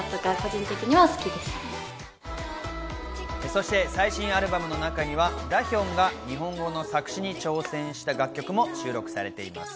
そして最新アルバムの中には、ダヒョンが日本語の作詞に挑戦した楽曲も収録されています。